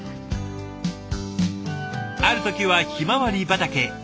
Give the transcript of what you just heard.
ある時はひまわり畑へ。